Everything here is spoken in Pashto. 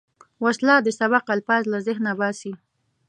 وسله د سبق الفاظ له ذهنه باسي